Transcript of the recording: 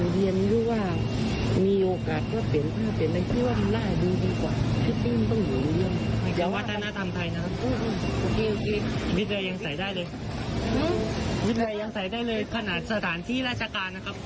วิทยายังใส่ได้เลยขนาดสถานที่ราชการนะครับ